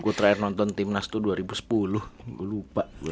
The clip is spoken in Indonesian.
aku terakhir nonton timnas itu dua ribu sepuluh gue lupa